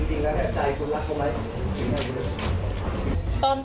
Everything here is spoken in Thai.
ไม่ได้มีเจตนาที่จะเล่ารวมหรือเอาทรัพย์ของคุณ